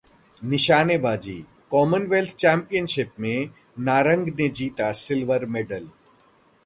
निशानेबाजी: Commonwealth championship में नारंग ने जीता सिल्वर मेडल